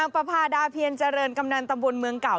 ประพาดาเพียรเจริญกำนันตำบลเมืองเก่า